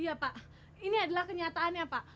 iya pak ini adalah kenyataannya pak